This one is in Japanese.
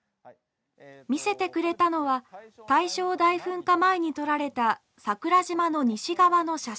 見せてくれたのは大正大噴火前に撮られた桜島の西側の写真。